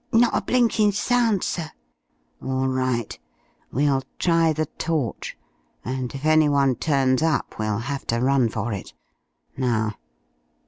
"Not a blinkin' sound, sir." "All right. We'll try the torch, and if any one turns up we'll have to run for it. Now."